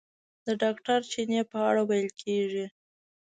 د ډاکټر چیني په اړه ویل کېږي.